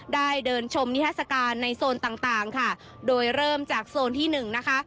ได้เดินชมนิทัศกาลในโซนต่างต่างค่ะโดยเริ่มจากโซนที่หนึ่งนะคะ